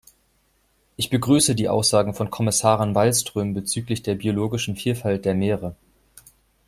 Ich begrüße die Aussagen von Kommissarin Wallström bezüglich der biologischen Vielfalt der Meere.